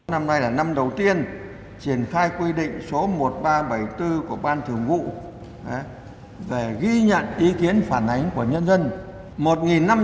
năm nay là năm đầu tiên triển khai quy định số một nghìn ba trăm bảy mươi bốn của ban thường vụ để ghi nhận ý kiến phản ánh của nhân dân